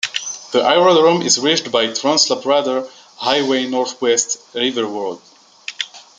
The aerodrome is reached by Trans Labrador Highway-North West River Road.